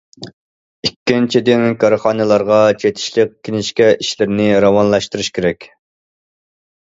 ئىككىنچىدىن، كارخانىلارغا چېتىشلىق كىنىشكا ئىشلىرىنى راۋانلاشتۇرۇش كېرەك.